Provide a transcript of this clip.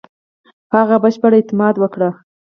په هغه بشپړ اعتماد وکړ.